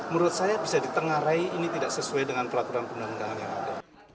menurut saya bisa ditengarai ini tidak sesuai dengan peraturan undang undang yang ada